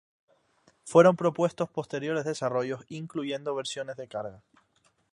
Fueron propuestos posteriores desarrollos, incluyendo versiones de carga.